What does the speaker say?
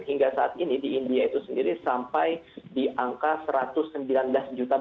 hingga saat ini di india itu sendiri sampai di angka satu ratus sembilan belas juta dosis yang sudah diberikan untuk vaksin sendiri